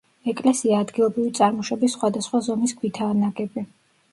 ეკლესია ადგილობრივი წარმოშობის სხვადასხვა ზომის ქვითაა ნაგები.